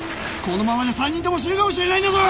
このままじゃ３人とも死ぬかもしれないんだぞ！